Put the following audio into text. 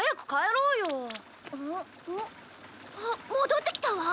あっ戻って来たわ。